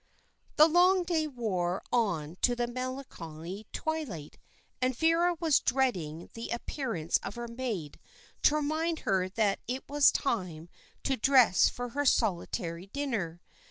The long day wore on to the melancholy twilight, and Vera was dreading the appearance of her maid to remind her that it was time to dress for her solitary dinner.